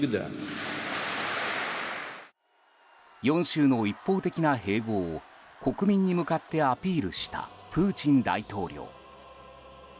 ４州の一方的な併合を国民に向かってアピールしたプーチン大統領。